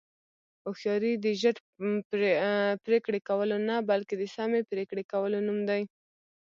هوښیاري د ژر پرېکړې کولو نه، بلکې د سمې پرېکړې کولو نوم دی.